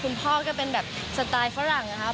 คุณพ่อก็เป็นแบบสไตล์ฝรั่งนะคะ